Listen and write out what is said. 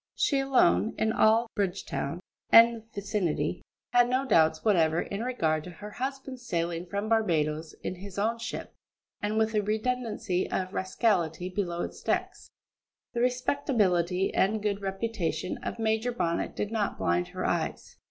She alone, in all Bridgetown and vicinity, had no doubts whatever in regard to her husband's sailing from Barbadoes in his own ship, and with a redundancy of rascality below its decks. The respectability and good reputation of Major Bonnet did not blind her eyes.